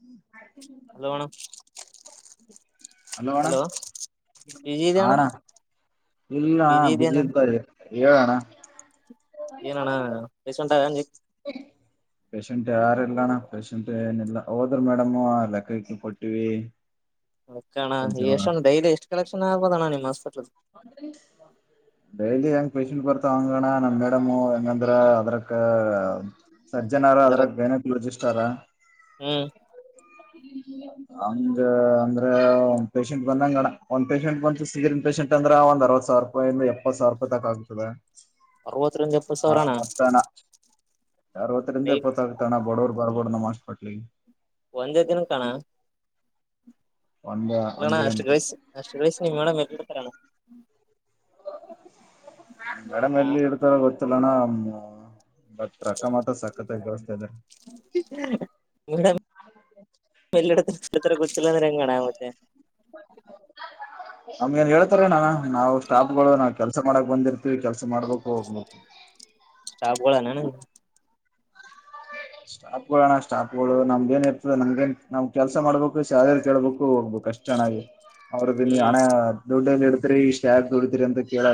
ಹ್ಮ್ ಹಾಗ ಹಲೋಣ ಹ ಹಲೋ ವಿಜಿ ಇದಾನ ಅಣ್ಣ ಇಲ್ಲ ಬಿಸಿ ಇದ್ದಾರೆ ಣ ಏನಣ್ಣ ಪೇಷಂಟ್ ಪಷಂಟ್ ಯಾರಲ್ಲಣ ಪೇಶಂಟ್ ಏನಿಲ್ಲ ಹೋದ್ರ ಮೇಡಮು ಆ ಲೆಕ್ಕಕ್ ಕೊಟ್ಟಿವವಿ ನಣ ಎಷ್ಟ ಡೈಲಿ ಎಷ್ಟು ಕಲೆಕ್ಷನ್ ಆಗ್ಬೋದಣ್ಣ ನಿಮ್ ಹ ಅ ಡೈಲಿ ಹೆಂಗ್ ಪೇಷಂಟ್ ಬರ್ತಾವ ಹಂಗಣ್ಣ ನಮ್ ಮೇಡಮು ಹೆಂಗಂದ್ರ ಅದ್ರಕ್ಕ ಸಜ್ಜನಾರ ಅದ್ರ ಗೈನಕೊಲಜಿಸ್ಟ್ ಹರ ಹ್ಮ್ ಅಂಗ ಅಂದ್ರೆ ಒಂದ್ ಪೇಷಂಟ್ ಬಂದಂಗಣ ಒಂದ್ ಪೇಷಂಟ್ ಬಂತು ಸೀರಿಯಸ ಪೇಷಂಟ್ ಅಂದ್ರ ಒಂದ ಅರವತ್ ಸಾವಿರ ರೂಪಾಯಿಂದ ಎಪ್ಪತ್ ಸಾವಿರ ರೂಪಾಯಿ ತಕ್ ಆಗ್ತದೆ ಅರವತ್ತು ಇಂದ ಎಪ್ಪತ್ ಸಾವಿರ ಅಣ್ಣ ಅರವತ್ತರಿಂದ ಡೈ ಎಪ್ಪತ್ತ ಆಗ್ತಾನ ಬಡವರು ಬರ್ಬೋಡ್ ನಮ್ಮ ಹೊಟ್ಲಿ ಒಂದೇ ದಿನಕ ಅಣ್ಣ ಒಂದ ಅಲ್ಲಣ ಒಂದು ಅಷ್ಟು ಜನಕ್ಕೆ ಗಳಿಸಿ ಅಷ್ಟು ಗಳಿಸಿ ನಿಮ್ಡ ಮೇಡ್ತಾರಣ್ಣ ಗಡ [unintelligible] ಹಾ ಮಲ್ಲಿ ಇಡ್ತಾದ ಗೊತ್ತಿಲ್ಲ ಅಣ್ಣ ಹೂ ಬಟ್ ರೊಕ್ಕ ಮಾತ್ರ ಸಕತ್ ಮಲ್ಲ [unintelligible] ಇತ್ರ ಗೊತ್ತಿಲ್ಲ ಅಂದ್ರೆ ಹ್ಯಾಂಗ ಅಣ್ಣ ಮತ್ತೆ ನಮ್ಗ ಏನ್ ಹೇಳ್ತಾರ ಏನ್ ಅಣ್ಣ ನಾವು ಸ್ಟಾಫ್ಗಳು ನಾವವು ಕೆಲ್ಸ ಮಾಡಕ್ ಬಂದಿರ್ತಿವಿ ಕೆಲ್ಸ ಮಾಡ್ಬೇಕು ಹೋಗ್ಬೇಕು ಸ್ಟಾಫ್ ಗೋಳ ಏನ್ ಅಣ್ಣ ಸ್ಟಾಫ್ಗಳು ಅಣ್ಣ ಸ್ಟಾಫ್ಗಳು ನಮ್ದ ಏನ್ ಇರ್ತದೆ ನಮ್ಗೇನ್ ನಮ್ ಕೆಲ್ಸ ಮಾಡ್ಬೇಕು ಸ್ಯಾಲರಿ ಕೇಳ್ಬೇಕು ಹೋಗ್ಬೇಕು ಅಷ್ಟ ಚೆನ್ನಾಗಿ ಅವ್ರದ್ದ ನೀ ಹ್ಮ್ ಹಣ ದುಡ್ಡ ಡ ಈಸ್ಟ್ಯಾಕ ದೊಡಿತ್ರರಿ ಅಂತ ಕೇಳ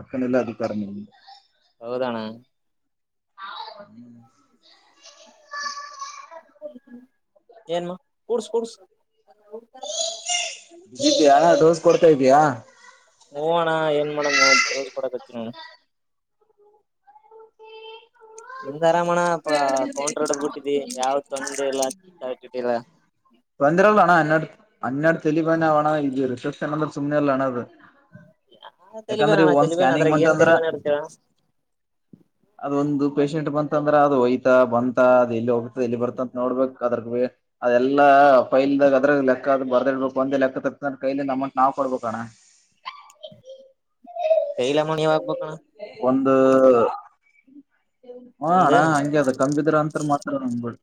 ಅಕ್ಕನಲ್ಲ ಅದ ಕ ಹೌದಣ ಹ [unintelligible] ಏನು ಕುಡ್ಸ ಕುಡ್ಸ ಇದ್ಯಾ ಡೋಸ್ ಕೊಡ್ತಾ ಇದ್ದಯಾ ಹೂ ಅಣ್ಣ ಏನ್ ಮಾಡಂ ಹೇಳ ಅಣ್ಣ ಡೋಸ್ ಕೊಡಕಟ್ಟಿನಿ ಹ [unintelligible] ಯಾವ್ ತೊಂದ್ರೆ ಇಲ್ಲ ಇಲ್ಲ ಬಂದ್ರಲ್ಲ ಅಣ್ಣ ಹನ್ನೆರಡು ಹೆಣ್ಣೆ ತಲಿ ಬಾಲ [unintelligible] ಹಣ ಇದೀರಿ [unintelligible] ಸಣಂದ್ರೆ ಸುಮ್ಮನೆಲ್ಲ ಹಣದು ಹ ತಲಿಬೇನಣ ತಲಿಬೇನ ಸ್ಕ್ಯಾನಿಂಗ್ ಅದ್ರಾಗ ಬಂತ ಏನ್ ಅಂದ್ರ ತಲ್ವೇನ ಇರ್ತೇವಣ ಪೇಶಷೆಟ್ ಬಂತ ಅಂದ್ರೆ ಅದು ಹಯತಾ ಬಂತಾ ಇಲ್ಲಿ ಹೋಗ್ತ ಇಲ್ಲಿ ಬರ್ತ ಅಂತ ನೋಡ್ಬೇಕು ಅದ್ರ ಅದೆ ಎಲ್ಲ ಫೈಲ್ ಅದ್ರದ ಅ ಬರ್ದ ಇಡ್ಬೇಕು ಒಂದ ಲೆಕ್ಕ ತ ಕೈಲಿಂದ ಅಮೌಂಟ್ ನಾವ್ ಕೊಡ್ಬೇಕ ಅಣ್ಣ ಕೈಲೆ ಅಮ್ಮೌಂಟ್ ನೀವು ಹಾಕಬೇಕು ಅಣ್ಣ ಒಂದು ಒಂದ್ ಹಾಣಾ ಹಂಗೆ ಅದ ಕಂಬಿದ್ರ ಅಂತ ಮಾತಾ [unintelligible]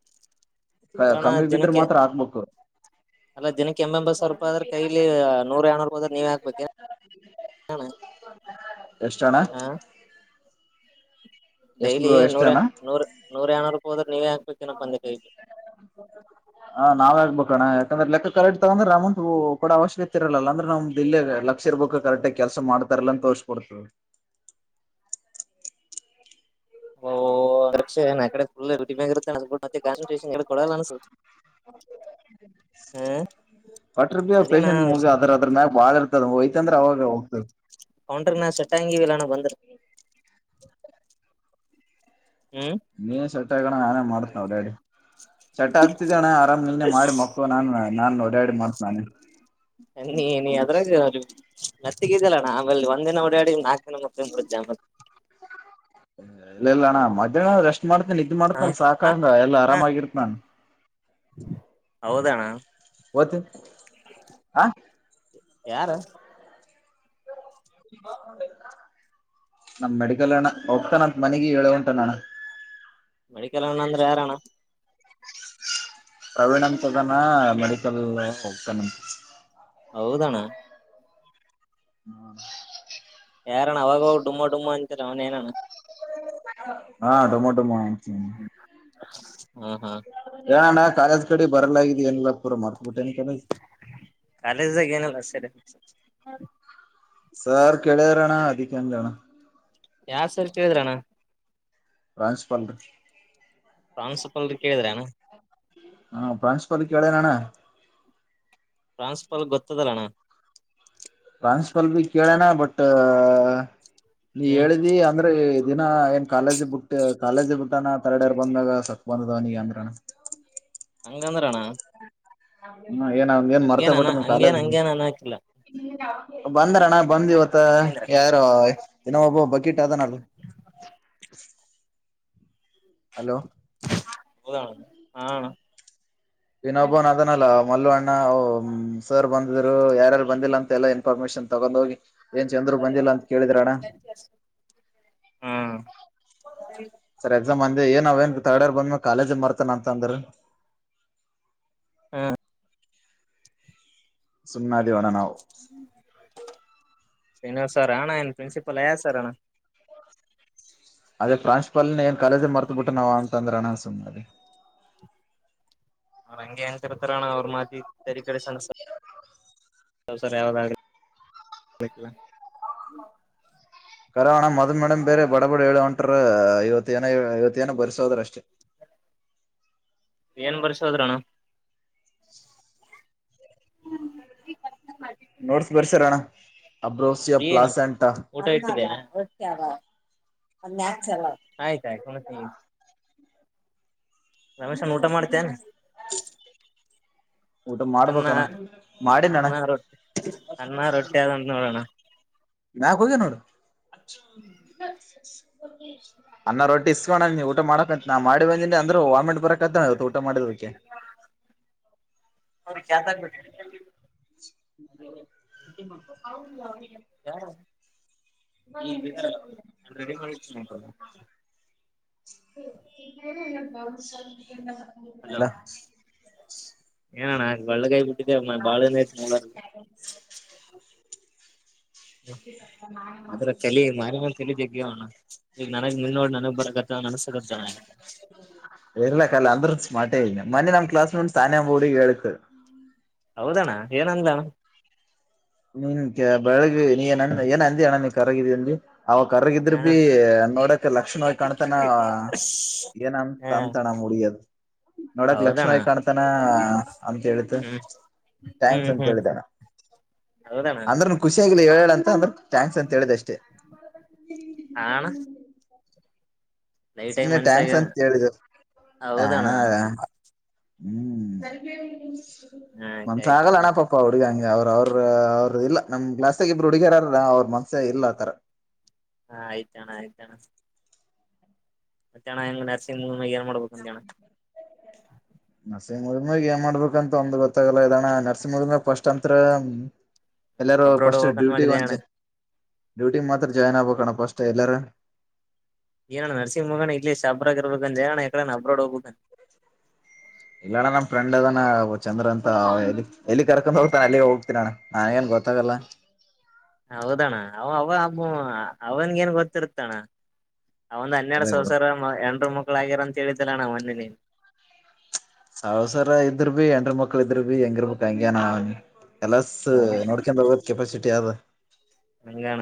ಅಲ್ಲಣ್ಣ ಕಮ್ಮಿ ಬಿದ್ರೆ ದಿನಕ್ಕೆ ಮಾತ್ರ ಹಾಕ್ಬೇಕು ಅಲ್ಲ ದಿನಕ್ಕೆ ಎಂಬ ಎಂಬತ್ತು ಸಾವಿರ ರೂಪಾಯಿ ಆದ್ರ ಕೈಲಿ ನೂರ ಏನೂರು ಹೋದ ನೀವ ಹಾಕ್ಬೇಕಣ ಎಷ್ಟಣ್ಣ ಡೈಲಿ ನೂರ ನೂರ ನೂರ ಏನೂ ರೂಪಿ ಹದೆ ನೀವ ಹ ನಾವ ಹಗ್ಬೇಕಣ್ಣ ಯಾಕಂದ್ರೆ ಲೆಕ್ಕ ಕರೆಕ್ಟ್ ತಗಂದ್ರ ರಾಮಂತತ್ ಕೂಡ ಅವಶ್ಯಕತೆ ಇರಲ್ಲಲ್ಲ ಅಂದ್ರೆ ನಮ್ದ ದಿಲ್ಲಿೇ ಲಕ್ಷ ಇರ್ಬೇಕು ಕರೆಕ್ಟ್ ಆಗ ಕೆಲ್ಸ ಮಾಡ್ತಾರಲ್ಲ ಅಂತ ತೋರ್ಕೊಡ್ತವಿ ಓ ಅೆ ನಡೆ ಫು ಟಿ ಬ ಇರುತ್ತೆತ್ತ ಕನ್ಸನ್ ಕೊಡಲ್ಲ ಅನ್ಸ ಹ ಕೊಟ್ರ ಬಿ ಅದಣ ಚಂದ್ರೆ ಅವಾಗ ಹೋಗ್ತದೆ ಹನ್್ರಿ ನಾ ಸೆಟ್ಟ ಹಂಗಿವಲ್ಲಾನ ಬಂದ್ರ ಹ್ಮ್ ನೀ ಸೆಟ್ಟಕಣ ಮಾಡ್ತಾವ ಹೇಳಡಿ ಚಟ್ ಆಗ್ತಿದ್ದ ಅಣ್ಣ ಆರಾಮ ನೀನೆ ಮಾಡಿ ಮಕ್ಕು ನಾನ ನಾನ್ ಓಡಾಡಿ ಮಾತ್ ನಾನೆ ಹ್ಮ ನೀ ನೀ ಅದರಾಗ ಅ ಮತ್ತಿಗಿದಲ್ಲಣ್ಣ ಆಮೇಲೆ ಒಂದ್ ದಿನ ಓಡಾಡಿ ನಾಕಕ್ ದಿನ ಮುಕ್ಕ ಮು್ದೆ ಆಮೇಲ್ ಇಲ್ಲಲ್ಲಣ ಮಧ್ಯಾಹ್ನದ್ರ ಎಷ್ಟ ಇ ಮಾಡ್ತೇನ ಇದ ಮಾಡ್ತನ ಅಲ್ ಸಾಕಂಗ ಎಲ್ಲ ಆರಾಮಾಗಿರ್ತತ್ ನಾನ್ ಹ್ಮ್ ಹೌದಣ್ಣ ಒತ್ತು ಆ ಯಾರ ನಮ ಮೆಡಿಕಲ್ಣ ಹೋಗ್ತಾನ ಅಂತ ಮನಗ ಹೇಳೋ ಉಂಟ ನಣ್ಣ ಮಡಿಕಲ್ಣ ಅಂದ್ರೆ ಯಾರಣ್ಣ ಪ್ರವೀಣ್ ಅಂತದಾನ ಮೆಡಿಕಲ್ ಹೋಗ್ತೇಾನಂತೆ ಹೌದಣ ಹ್ಮ ಯಾರಣ್ಣ ಅವಾಗ ಡುಮ್ಮ ಡುಮ್ಮಾ ಅಂತರ ಅವ್ನ ಏನಣ್ಣ ಹಾ ಟೊಮಟೊ ಮಾಡ ಹಾ ಹಾ ಆ ನ ಕಾರ ಕಡೆ ಬರಲ ಲ್ಲ ಪೂರ ಮಾಡಾರ್ಕ ಬಿಟ್ಟೆನ ಕ ಹ್ಮ ಸರ್ ಕೆಡಡೆ ರಣ ಅದಿಕನು ಜಾಣ ಯಾವ ಸರಿ ಕೇಳಿದ್ರನಾ ್ರಾನ್ಸ್ಪಲ್ ಪ್ರಾನ್ಸಿಪಲ್ರು ಕೇಳಿದ್ರನಾ ಹಾ ಪ್ರಾನ್ಸಪಾಲ ಕಡೆ ನಣ್ಣ ಟ್ರಾನ್ಸಪಾಲ್ ಗೊತ್ತದಲಣ ಪ್ರನ್ಸಪಲ್ ಭ ಕೇಳಣ ಬಟ್ ನೀ ಹ್ಮ್ ಹೇಳಿದಿ ಅಂದ್ರೆ ದಿನ ಏನ್ ಕಾಲೇಜಿ ಬಿಟ್ಟ ಕಾಲೇಜಿ ಬಿಟ್ಟಾನ ತರಡರ್ ಬಂದಾಗ ಸತ್ ಬಂದದವನಗ ಅಂದ್ರನ ಹಂಗಂದ್ರಣ್ಣ ಹೌ ಹ್ಮ ಏನ್ ಅವನ್ ಏನ್ ಮರ್ತೇ ಹಂಗೇನ ಬಿಟ್ಟು ನೀ ಹಂಗೇನ್ ಕಾಲೇಜ್ಲ್ಲಿ ಹಂಗೇನ್ ಅನ್ನಕಿಲ್ಲ ಬಂದ್ರಣ್ಣ ಬಂದ್ ಇವತ್ತು ಮತ್ತ ಯಾರು ದಿನ ಒಬ್ಬ ಬಕಿಟ್ ಅದನದು ಹೌದ ಹ ವಿನೋಬವನ್ ಅದನಲ್ಲಾ ಮಲ್ಲ ಅಣ್ಣ ಸರ್ ಬಂದಿದ್ರು ಯಾರಾರು ಬಂದಿಲ್ಲ ಅಂತ ಎಲ್ಲ ಇನ್ಫಾರ್ಮೇಶನ್ ತಗೊಂಡ ಹೋಗಿ ಏನ್ ಚಂದರು ಬಂದಿಲ್ಲ ಅಂತ ಕೇಳಿದ್ರ ಅಣ್ಣ ಹ್ಮ್ ಸರ್ ಎಕ್ಸಾಮ್ ಅಂದ ಏನ್ ಅವಏನ್ ತರ್ಡ್ ಇರ್ ಬಂದ್ಮ್ಯ ಕಾಲೇಜ ಮರ್ತಾನ ಅಂತ ಅಂದ್ರ ಹಾ ಸುಮನ ಅಣ್ಣ ನಾವು ಶ್ರೀನಿವಾಸ್ ಸರ್ ಆಣ ನ್ ಪ್ರಿನ್ಸಿಪಲ್ ಆಯ ಸರ್ಣ ಅದೇ ಪ್ರಾನ್ಸಿಪಲ್ನ ಏನ್ ಕಾಲೇಜ ಮರ್ತ ಬಿಿಟ್ಟು ನಾವ ಅಂತ ಅಂದ್ರೆ ಅಣಸುಮ್ಿ ಅವರಂಗಗೆ ಅನ್ಂತಿರ್ತ್ರರ ಅವರ ಮಾತಿ ಕ ಸ ಸ ಸರ ಯಾವ ಕರಾವಣ ಮದನ್ ಮೇಮ ಬೇ ಬ ಹೇಳ ಹೊಂಟ್ರ ಇವತ್ತು ಇ ಜನ ಐವತ್ತ ಜನ ಬಸೋದ್ರ ಅಷ್ಟೇ ಏನ್ ಬರ್ಸೋದ್ರಣ ನೋಡ್ಸ್ ಬರ್ಸರಣ್ಣ ಅಬ್ರೋಸಿಯ ಏನು ಪ್ಲಾಸಂಟ ಊಟ ಆಯ್ತಯ್ತು ಮ ರಮೇಶ್ನ್ ಊಟ ಮಾಡ್ತೇನೆ ಕ್ ಊಟ ಅನ್ನ ಮಾಡ್ಬೇಕಣ್ಣ ಮಾಡಿನ ಅಣ್ಣ ಅನ್ನ ರೊಟ್ಟಿ ಅನ್ನ ರೊಟ್ಟಿ ಆದಂತ ನೋಡೋಣ ವಿನಾಯಕ ಹೋಗ ನೋಡ ಸ್ ಅನ್ನ ರೊಟ್ಟಿ ಇಸ್ಕೋಣ ನೀ ಊಟ ಮಾಡಕಕ್ಂತ ನಾ ಮಾಡಿ ಬಂದಿ ಅಂದರು ವಾಮಿಟ್ ಬರಕ್ ತ ಊಟಾ ಮಾಡಕ್ಕೆ ಅವ್ರ ಕ್ಯಾತಾಗ ಹ್ಮ ಹ್ಮ ರೆಡಿ ಮಾಡತೀಟ [unintelligible] ಇಲ್ಲ ಬ ಶ ಹಲೋ ಏನಣ ಒಳ್ಳಕಾಯಿ ಬಿಟ್ಟಿದ್ದೆ ಬಾಳ ಅದ್ರ ಕಲಿ ಮಾರ ಕಲಿ ಜಗಣ ಈಗ ನನಗ್ ಮನ್ ನೋಡಿ ನನಗ್ ಬರಕತ್ತ ಅನ್ಸಕತ್ತ ಇರ್ಲ ಕಲ್ಲ ಅಂದ್ರ ಮಾಡ ಮನೆೆ ನಮ್ ಕ್ಲಾಸ್ ನಂಟ್ ತಾನಂಬೂರ್ ಹೇಳಕ್ು ಹೌದಣ್ಣ ಏನಂದಣ ನಿನ್ ಬೆಳಗ್ಗೆ ನೀಏಂದ ಏನ್ ಅಂದಿ ಅಣ್ಣ ನೀ ಕರಗಿದಿ ಅಂದಿ ಅವ ಕರಗಿದ್ರ ಹ ಭೀ ನೋಡಕ್ ಲಕ್ಷಣವವಾಗಿ ಕಾಣ್ತಾನ ಏನಂತ ಹಾ ಅಂತಾನ ಹುಡುಗಿಯದ ನೋಡಕ್ ಹೌದಣ್ಣ ಲಕ್ಷ್ಮವವಾಗಿ ಕಾಣ್ತಾನ ಅಂತ ಹೇಳಿತು ಹ್ಮ್ ಥ್ಯಾಂಕ್ಸ್ ಅಂತ ಹೇಳಿದಣ ಹೌದಣ ಅಂದ್ರನ್ ಹೇಳ ಅಂತ ಅಂದ್ರೆ ಥ್ಯಾಂಕ್ಸ್ ಅಂತ ಹೇಳಿದ್ ಅಷ್ಟೇ ಹಣ ಸುಮ್ಮ್ನೆ ಟ್ಯಾಂಕ್ಸ್ ಅಂತ ಹೇಳೇಳಿದ ಹಣ ಹೌದಣ್ಣ ಹ್ಮ್ ಹ ಆಯ್ತ ಮನ್ಸ ಆಯ್ತಣ ಆಗಲ್ಲಣ್ಣ ಪಾಪ್ಪಾ ಹುಡುಗ ಹಂ ಅವ್ರ ಅವ್ರ ಅವ್ರ ಇಲ್ಲ ನಮ್ ಗ್ಲಾಸ್ಗ ಇಬ್ರು ಹುಡುಗರಾರ ಅವ್ರ ಮನ್ಸ್ಯ ಇಲ್ಲ ಆತರ ಹಾ ಆಯ್ತಣ ಆಯ್ತತಣ ಮತ್ತಣ ಹೆಂಗ್ ನರ್ಸಿಂಗ್ ಏನ್ ಮಾಡ್ಬೇಕು ಅಂತಣ ನರಸಿಂಗ್ ಉದಮಗ್ ಏನ್ ಮಾಡ್ಬೇಕಂತ ಒಂದು ಗೊತ್ತಾಗಲ್ಲ ಇದಣ್ಣ ನರ್ಸಿಂಗ್ ಉದುಮಗ್ ಫಸ್ಟ್ ಅಂತತ್ರ ಎಲ್ಲಾರೂ ಅಬ್ರೋಡ್ ಫಸ್ಟ್ ಹೋಗ್ಬೇಕಂತ ಡ್ಯೂಟಿ ಮಾಡಿದೆ ಒಂಚ ಅಣ್ಣ ಡ್ಯೂಟಿ ಮಾತ್ರ ಜಾಯ್ನ್ ಆಗ್ಬೇಕಕ್ಣಪ್ಪ ಅಷ್ಟೆ ಎಲ್ಲರ ಇಏನ ನರಸಿಂ್ ಮೋಗ ಇಲಿ ಶ ಅಬ್ರಬೇಕ ಜ ಇ ಅಬ್ರೋಡ್ ಹೋಗಬು ಇಲ್ಲ ಅಣ್ಣ ನಮ ಫ್ರಂಡ್ ಅದಾನ ಚಂದ್ರ ಅಂತ ಎಲ್ಲಿ ಎಲ್ಲಿ ಕರ್ಕೊಂಡ್ ಹೋಗ್ತಾನ ಅಲ್ಲಿಗೆ ಹೋಗ್ತರ ಅಣ್ಣ ನಾನ್ಗೇನ್ ಗೊತ್ತಾಗಲ್ಲ ಹೌದಣ ಅವ ಅವಬ್ ಅವನ್ಗ ನ್ ಗೊತ್ತಿರುತ್ತಣ ಅವ ಒಂದ್ನ್ನೆರಡು ಎಲ್ಲ ಸಾವಸರ ಎರರು ಮಕ್ಕಳಗ್ಯರ ಅಂತ ಹೇಳಿದ್ದಿಲ್ಲ ನಾ್ ಮಿನ ಸಾವಸರ ಇದ್ರ ಭ ಎಂಡರು ಮಕ್ಳು ಇದ್ರ ಭ ಹೆಂಗಿರ್ಬೇಕು ಹಂಗ್ಯನ ಕೆಲಸ್ ನೋಡ್ಕನ್ ಬರ್ಬ ಕೆಪಾಸಿಟಿ ಅ್ ಹಂಗಣ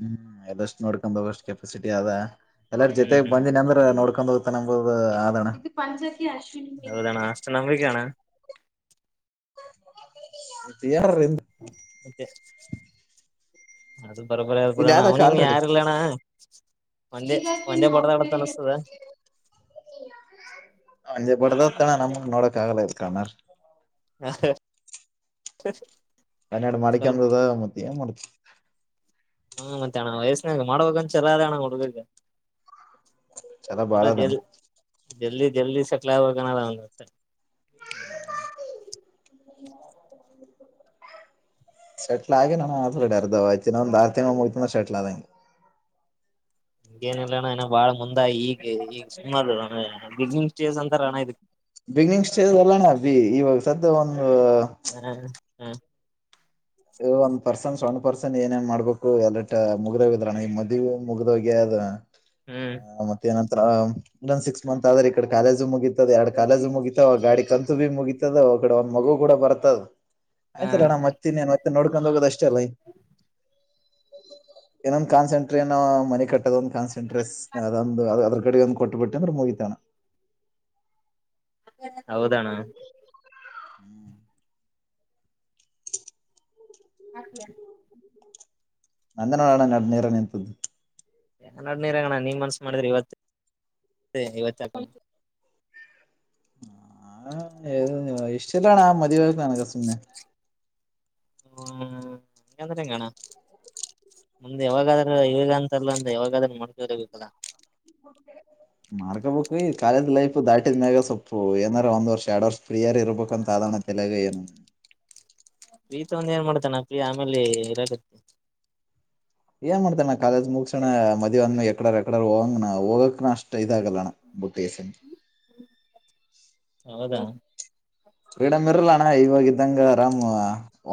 ಹ್ಮ್ ಎಲ್ಲಷ್ಟು ನೋಡ್ಕೊಂಡ ಬೋಗ ಅಷ್ಟ್ ಕೆಪಾಸಿಟಿ ಅದ ಎಲ್ಲಾರ ಹ್ಮ್ ಜೊತೆಗ್ ಹ್ಮ್ ಬಂದಿ ಅಂದ್ರ ನೋಡ್ ೊಂಡೋಗತಾನಂಬುದು ಆದ ಹೌದ ಣ ಅಷ್ಟ್ ನಂಬಿಕೆ ಅಣ ತ್ತ ಯಾರ ರೀ [unintelligible] ಹ [inaudible] [unintelligible] ಮತ್ತೆ ಅದು [unintelligible] ಬರಬರ ಯಾರ ಇಲ್ಲಿ ಪಡಣ್ಣ ಯಾವ್ದಕ್ ಅವನಿಂಗ್ ಆಲ್ರೆಡಿ ಯಾರ್ ಇಲ್ಲಣ್ಣ ಒಂದೆ ಒಂದೇ ಪಡದಡತ ಅನ್ನ್ತದ [unintelligible] ಬಡದತನ ನಮ್ ನೋಡಕ್ ಆಗಲ್ಲ ಇತನರ್ ಹಾ [inaudible] ಕನ್ನಡ್ ಮಾಡ್ಕಬಿಡೋದ ಮತ್ತೆ ಏನ್ ಮಾಡ್ತ [inaudible] ಹ್ಮ ಮತ್ತೆ ಹಣ ವಯಸ್ಸನಾಗ ಮಾಡ್ಬಂತ ಛಲ ಆದಾ ಅಣ್ಣ ಹುಡುಗ ಚಲ ಬಾಳದಾಮ ಜಲ್ದಿ ಜಲ್ದಿ ಸೆಟ್ಲ್ ಆಗಬೇಕನ್ನ ಒಂದತ್ತೆ [inaudible] ಸರಿ [inaudible] [unintelligible] ಹಾಗ ನಾ ಆಸಡೆ ಅದಕ್ಕೆ ಅರ್ತ ಆುನ ಮುಳತುನ ಸೆಟ್ಲ್ ಅಂದಂಗೆ ಹ್ಹ್ ಏನಿಲ್ಲಣ್ಣ ಏನ ಬಾಳ ಮುಂದ ಈಗ ಈಗ [unintelligible] ಸುಮ್ಮನಣ ಬ [inaudible] ಬಿಗ್ನಿಂಗ್ ಸ್ಟೇಜ್ ಅಲ್ಲಣ ಬಿ ಇವಾಗ ಸದ್ ಒಂದು- ಹ್ಮ [unintelligible] A one person one person ಏನೇನ್ ಮಾಡ್ಬೇಕು ಮುಗದೀಧರರಣ ಮಧ್ಯ [unintelligible] ಮುಗ್ದ ಹೋಗ್ಯಾದ ಹ್ಮ್ ಹ ಮತ್ತೆ ಏನ ಒ ಒನ್ ಸಿಕ್ಸ್ ಮಂತ್ ಆದ್ರೆ ಈ ಕಡೆ ಕಾಲೇಜ್ [unintelligible] ಮುಗಿತದ ಎರಡು ಕಾಲೇಜ್ ಮುಗಿತವ ಗಾಡಿ ಕಂತು ಭೀ ಮುಗಿತದ ಮಗು ಕೂಡ ಬರ್ತದ ಹ ಆಯ್ತಲ್ಲಣಾ ಮತ್ ಇನ್ನೇನ್ ನೋಡ್ಕೊಂಡ್ ಹೋಗೋದ್ ಅಷ್ಟೇ ಅಲ್ಲ ಈ ಏನೊಂದ ಕನ್ಸಂಟ್ರ ಏನ ಮನೆ ಕಟ್ಟ [unintelligible] ದೊ ಕಾನ್ೆಂಟ್ರೆಸ್ಟ್ ಅ [unintelligible] ಇವ್ರಿಗೊಂದ್ ಕೊಟ್ಟಬಿಟ್ಟೆ ಅಂದ್ ಮುಗಿತು ಅಣ್ಣ ಹೌದಣ್ಣ ಹಾತಿಯಾ [unintelligible] ನಂದೇ ನೋಡೋಣ ನಡ್ ನೀರ ನಿಂತದ್ ನಡನರ ಅಂಗಣ ನಿನ್ ಮನ್ಸ ಮಾಡಿದ್ರೆ ಇವತ್ತು ಇವತ್ತ [unintelligible] ಹ ಇಷ್ಟ ಇಲ್ಲಣಾ ಮದುವವೆ ನನಗೆ ಸುಮ್ಮ್ನೆ ಹ್ ಹಂಗಂದ್ರೆ ಹೆಂಗಣ ಮುಮ್ದೆ ಯಾವಾಗಾದ್ರೂ ಇವಗ ಅಂತಲ್ಲ ಅಂದ್ರೆ ಯಾವಾಗಾದ್ರೂ ಮಡ್ಕರಬೇಕಲ್ಲ ಮಾರ್ಕೋಬೇಕು ಈ ಕಾಲೇಜ್ ಲೈಫ್ ದಾಟಿದ ಮ್ಯಾಗ ಸೊಪ್ಪು ಏನಾರ ಒಂದ್ ವರ್ಷ ಎರಡ್ ವರ್ಷ ಫ್ರೀಯಾರ ಇರ್ಬೇಕ ಅಂತ ಆದಣ ತಿಲ್ಯಗ ಏನ ಪ್ರೀ ತಗೊಂಡು ಒಂದ ಏನ್ ಮಾಡ್ತಾನಾ ಪ್ರೀ ಆಮೇಲೆ ಇರಾಗತ್ತೆ ಏನ್ ಮಾಡ್ತಾರ ನಾ ಕಾಲೇಜ್ ಮುಗಸಣ ಮದುವೆ ಮಾಡ್ಕೊಂಡು ಎಕಡ ಎಡ ಹೋಗಂಗಣ ಹೋಗಕ್ ನ ಅಷ್ಟ್ ಇವಾಗ ಬುಟ್ಟೇಗೆಶನ್ ಹೌದಾ ಫ್ರೀಡಂ ಇರಲಣ್ಣ ಇವಾಗ ಇದಂಗ ರಾಮ್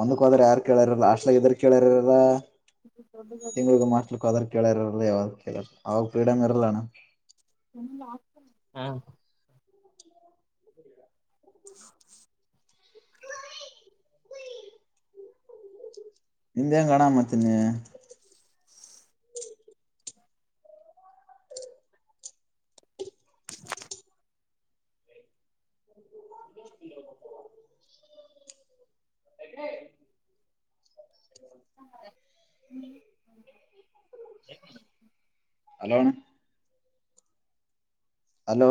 ಒಂದಕ್ ಹೋದ್ರೆ ಯಾರ ಕೇಳಾರ ಲಾಸ್ಟ್ಲ ಎದರು ಕೇಳ್ಯಾರಲ್ಲ ಬ ಕೇಳ ಇರಲ್ಲ ಯಾವಾಗ ಕೇಳ ಅವಾಗ ಫ್ರೀಡಮ್ ಇರಲ್ಲಾನ ಹಾ ನಿಿಂದ ಹೆಂಗ ಗಣ ಮಾಡತೀನಿ ಹ ಏ ಹ್ಮ್ ಹಲೋಣ ಹಲೋ